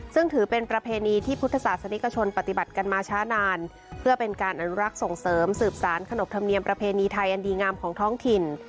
ซึ่งถือเป็นประเพณีที่พุทธศาสนิกชนปฏิบัติกันมาช้านานเพื่อเป็นการอนุรักษ์ส่งเสริมสืบสารขนบธรรมเนียมประเพณีไทยอันดีงามของท้องถิ่น